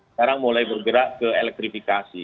sekarang mulai bergerak ke elektrifikasi